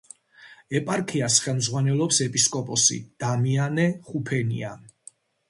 ეპარქიას ხელმძღვანელობს ეპისკოპოსი დამიანე ხუფენია.